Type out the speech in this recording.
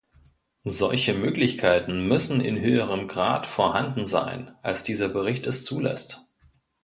Solche Möglichkeiten müssen in höherem Grad vorhanden sein, als dieser Bericht es zulässt.